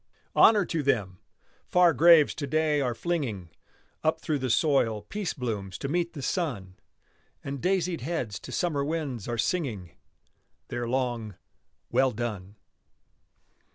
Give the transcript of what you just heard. Honor to them! Far graves to day are flinging Up through the soil peace blooms to meet the sun, And daisied heads to summer winds are singing Their long "well done."